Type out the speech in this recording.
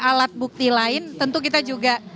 alat bukti lain tentu kita juga